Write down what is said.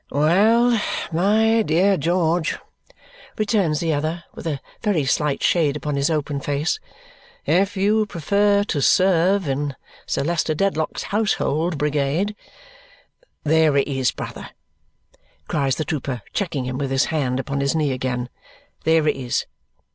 "Well, my dear George," returns the other with a very slight shade upon his open face, "if you prefer to serve in Sir Leicester Dedlock's household brigade " "There it is, brother," cries the trooper, checking him, with his hand upon his knee again; "there it is!